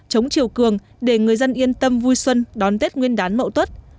chống triều cường để người dân yên tâm vui xuân đón tết nguyên đán mậu tuất